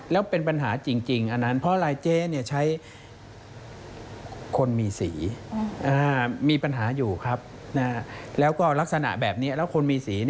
แล้วก็ลักษณะแบบนี้แล้วคนมีสี